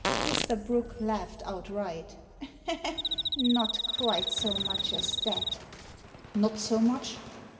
Mr. Brooke laughed outright. "Not quite so much as that" " Not so much